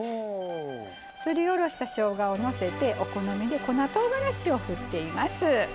すりおろしたしょうがをのせてお好みで粉とうがらしをふっています。